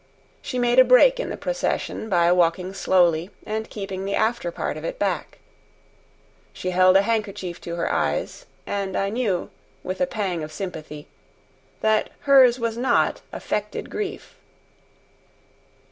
She made a break in the procession by walking slowly and keeping the after part of it back. She held a handkerchief to her eyes, and I knew, with a pang of sympathy, that hers was not affected grief.